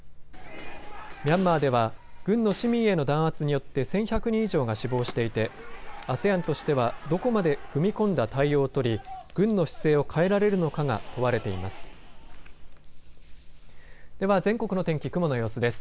ミャンマーでは軍の市民への弾圧によって１１００人以上が死亡していてＡＳＥＡＮとしてはどこまで踏み込んだ対応を取り軍の姿勢を変えられるのかが問われています。